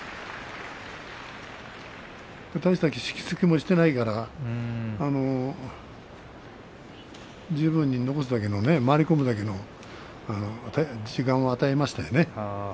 大した引き付けもしてないから十分に残すだけの回り込むだけの時間を与えましたね。